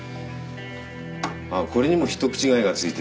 あっこれにも一口がゆがついてる。